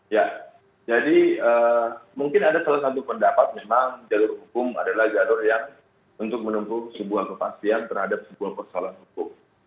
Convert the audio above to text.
ya jadi mungkin ada salah satu pendapat memang jalur hukum adalah jalur yang untuk menempuh sebuah kepastian terhadap sebuah persoalan hukum